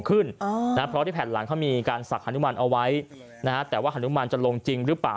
เขามีการสักหนุ่มันเอาไว้นะฮะแต่ว่าหนุ่มันจะลงจริงหรือเปล่า